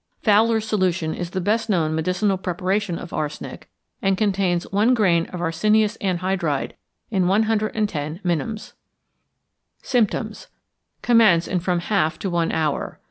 Fowler's solution is the best known medicinal preparation of arsenic, and contains 1 grain of arsenious anhydride in 110 minims. Symptoms. Commence in from half to one hour.